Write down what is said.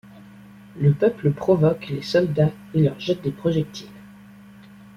Le peuple provoque les soldats et leur jette des projectiles.